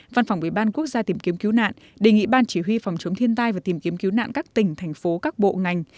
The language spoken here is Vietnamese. văn phòng ủy ban quốc gia tìm kiếm cứu nạn đề nghị ban chỉ huy phòng chống thiên tai và tìm kiếm cứu nạn các tỉnh thành phố các bộ ngành